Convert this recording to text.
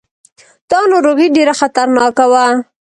دا ناروغي ډېره خطرناکه وه.